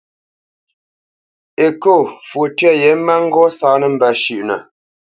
Ekô fwo tyə yě má ŋgó sáánə̄ mbə́ shʉ́ʼnə.